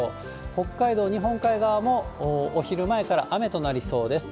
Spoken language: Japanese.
北海道、日本海側もお昼前から雨となりそうです。